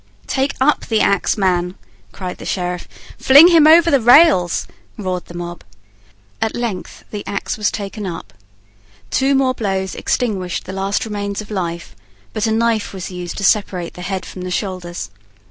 "Take up the axe, man," cried the sheriff. "Fling him over the rails," roared the mob. At length the axe was taken up. Two more blows extinguished the last remains of life; but a knife was used to separate the head from the shoulders.